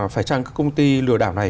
phải chăng các công ty lừa đảo này